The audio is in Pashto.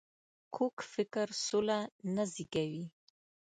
کوږ فکر سوله نه زېږوي